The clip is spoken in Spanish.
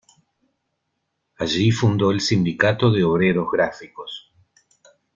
Allí fundó el Sindicato de Obreros Gráficos.